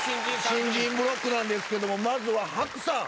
新人ブロックなんですけどもまずはハクさん。